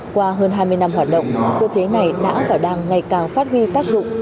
qua hơn hai mươi năm hoạt động cơ chế này đã và đang ngày càng phát huy tác dụng